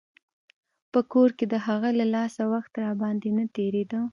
په کور کښې د هغې له لاسه وخت راباندې نه تېرېده.